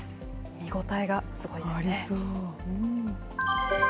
見応えがすごいですね。